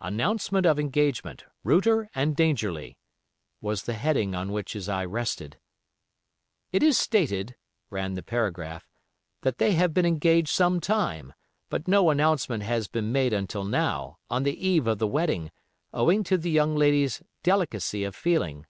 "Announcement of Engagement: Router and Dangerlie," was the heading on which his eye rested. "It is stated," ran the paragraph, "that they have been engaged some time, but no announcement has been made until now, on the eve of the wedding, owing to the young lady's delicacy of feeling."